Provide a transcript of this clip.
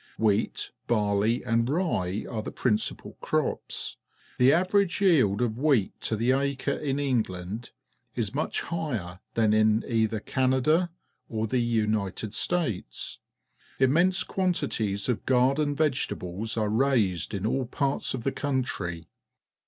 WTieat, barley, and rye are the principal crops. The average yield of wheat to the acre in England is much higher than in either Canada or the United States. Im mense quantities of garden vegetables are raised in all parts of the country.